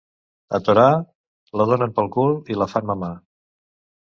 A Torà, la donen pel cul i la fan mamar.